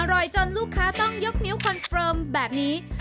อร่อยจนลูกค้าต้องยกนิ้วคอนเฟิร์มแบบนี้